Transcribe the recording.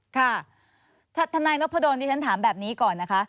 ค่ะท่านนายรับประโดนที่ฉันถามแบบนี้ก่อนนะคะ